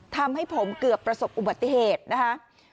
ทำให้ผมเกือบประสบอุบัติเหตุนะคะ